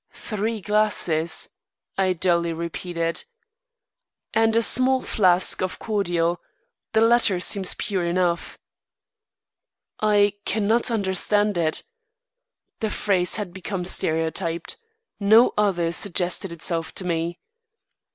"Three glasses," I dully repeated. "And a small flask of cordial. The latter seems pure enough." "I cannot understand it." The phrase had become stereotyped. No other suggested itself to me.